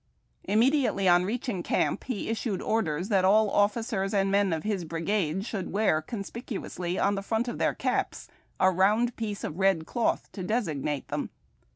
Immediately ou reaching camp, he issued orders that all officers and men of his brigade should wear conspicuously on the front of their caps a round piece of red cloth to designate them.